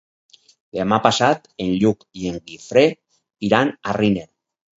Demà passat en Lluc i en Guifré iran a Riner.